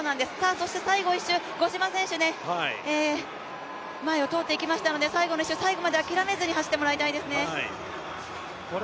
そして最後１周、五島選手前を通っていきましたので最後の１周、最後まで諦めずに走ってもらいたいです。